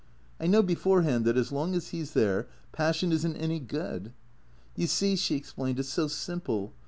I know beforehand that as long as he 's there, passion is n't any good. You see," she explained, "it's so simple.